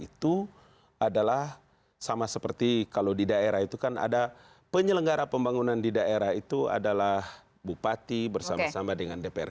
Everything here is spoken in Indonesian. itu adalah sama seperti kalau di daerah itu kan ada penyelenggara pembangunan di daerah itu adalah bupati bersama sama dengan dpr